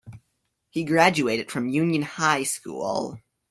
He graduated from Union High School.